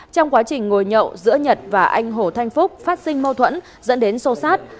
trong quá trình ngồi nhậu giữa nhật và anh hồ thanh phúc phát sinh mâu thuẫn dẫn đến sô sát